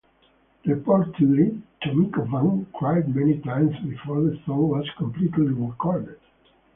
Reportedly, Tomiko Van cried many times before the song was completely recorded.